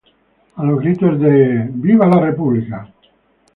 A los gritos de ""¡Viva el Rey!